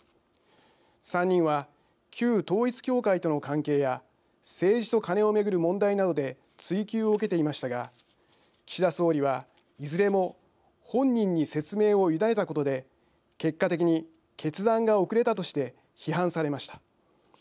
３人は旧統一教会との関係や政治とカネを巡る問題などで追及を受けていましたが岸田総理は、いずれも本人に説明を委ねたことで結果的に決断が遅れたとして批判されました。